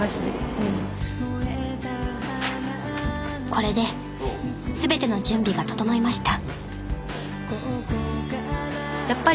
これで全ての準備が整いました